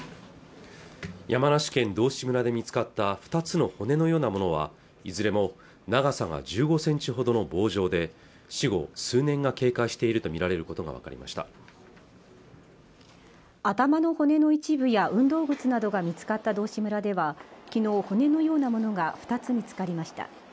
山梨県道志村で見つかった２つの骨のようなものはいずれも長さが１５センチほどの棒状で死後数年が経過していると見られることが分かりました頭の骨の一部や運動靴などが見つかった道志村ではきのう骨のようなものが２つ見つかりました